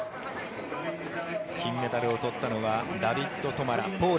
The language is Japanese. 金メダルを取ったのはポーランド、ダビッド・トマラ。